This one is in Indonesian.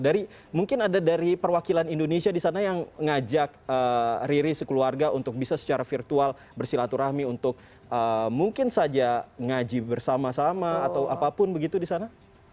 dari mungkin ada dari perwakilan indonesia di sana yang ngajak riri sekeluarga untuk bisa secara virtual bersilaturahmi untuk mungkin saja ngaji bersama sama atau apapun begitu di sana